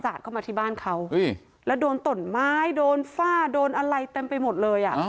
เข้ามาที่บ้านเขาแล้วโดนตนไม้โดนฝ้าโดนอะไรเต็มไปหมดเลยอ่ะ